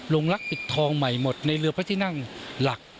ลักษณปิดทองใหม่หมดในเรือพระที่นั่งหลัก